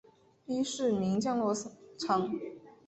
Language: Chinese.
伊是名降落场。